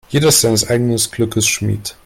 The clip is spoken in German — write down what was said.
Jeder ist seines eigenen Glückes Schmied.